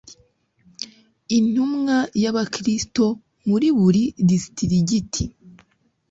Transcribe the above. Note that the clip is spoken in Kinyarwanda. Intumwa y abakristo muri buri Disitirigiti